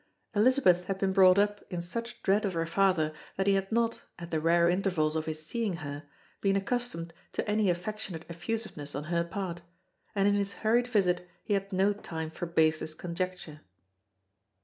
Elizabeth had been brought up in such dread of her father that he had not, at the rare intervals of his seeing her, been accustomed to any affectionate effusiveness on her part; and in his hurried visit he had no time for baseless conjecture.